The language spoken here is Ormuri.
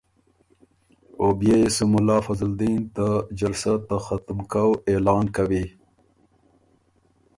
او بيې يې سو ملا فضل دین ته جلسه ته ختُمکؤ اعلان کوی۔